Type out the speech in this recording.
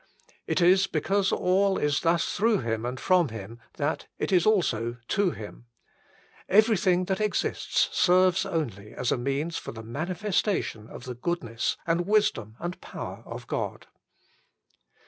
It is because all is thus through Him and from Him that it is also to Him. Everything that exists serves only as a means for the manifestation of the goodness and wisdom and power of God.